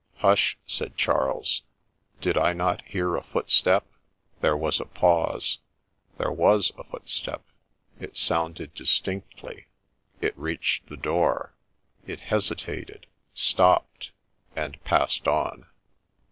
' Hush I ' said Charles ;' did I not hear a footstep T ' OF TAPPINGTON 19 There was a pause :— there was a footstep — it sounded dis tinctly— it reached the door — it hesitated, stopped, and — passed on.